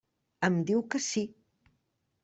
Em diu que sí.